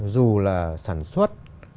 dù là sản xuất